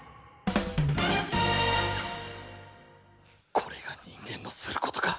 これが人間のすることか。